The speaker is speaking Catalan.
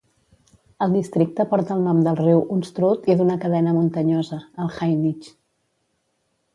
El districte porta el nom del riu Unstrut i d'una cadena muntanyosa, el Hainich.